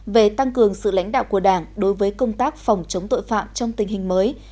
về tăng cường sự lãnh đạo của đảng đối với công tác phòng chống tội phạm trong tình hình mới